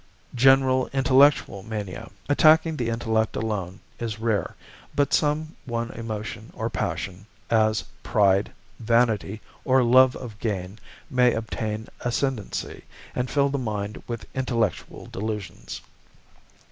=General Intellectual Mania=, attacking the intellect alone, is rare; but some one emotion or passion, as pride, vanity, or love of gain, may obtain ascendancy, and fill the mind with intellectual delusions.